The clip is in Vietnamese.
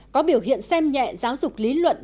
có biểu hiện xem nhẹ giáo dục lý luận